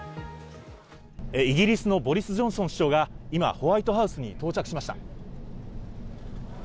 イギリスのボリス・ジョンソン首相が今、ホワイトハウスに到着しました。